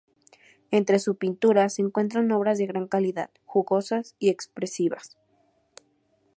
Entre su pintura, se encuentran obras de gran calidad, jugosas y expresivas.